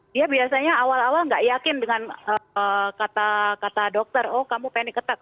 dia biasanya awal awal nggak yakin dengan kata dokter oh kamu panic attack